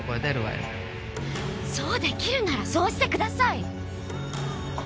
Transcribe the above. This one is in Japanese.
そう出来るならそうしてください！